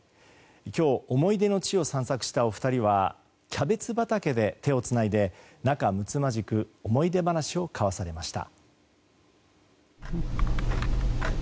今日、思い出の地を散策したお二人はキャベツ畑で手をつないで仲むつまじく思い出話を交わされました。